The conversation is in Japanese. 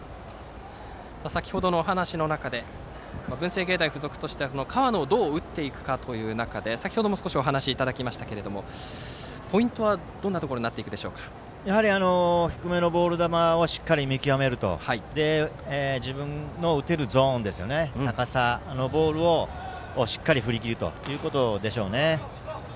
先程のお話の中で文星芸大付属としては河野をどう打っていくかという中で先程も少しお話いただきましたがポイントはどんなところに低めのボール球をしっかり見極めて自分の打てるゾーンのボールをしっかり振りきることでしょうね。